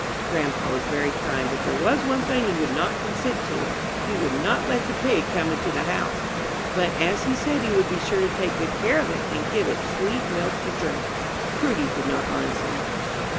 Grandpa was very kind, but there was one thing he would not consent to he would not let the pig come into the house. But as he said he would be sure to take good care of it, and give it sweet milk to drink, Prudy did not mind so much.